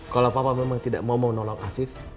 kalau papa memang tidak mau mau nolong afif